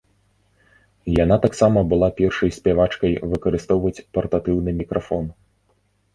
Яна таксама была першай спявачкай выкарыстоўваць партатыўны мікрафон.